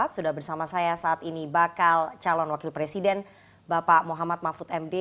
sudah bersama saya saat ini bakal calon wakil presiden bapak muhammad mahfud md